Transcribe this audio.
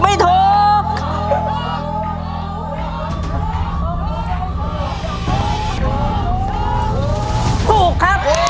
ใช่นักร้องบ้านนอก